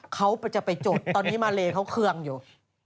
เขาจะไปจบตอนนี้มาเลเขาเคืองอยู่